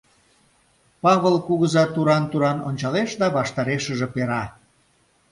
Павыл кугыза туран-туран ончалеш да ваштарешыже пера: